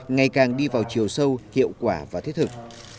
ngày càng đi vào chiều sâu hiệu quả và thiết thực